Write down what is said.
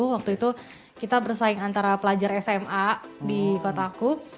waktu itu kita bersaing antara pelajar sma di kotaku